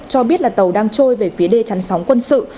cho biết là tàu đang trôi về phía đê chăn sóng quân sự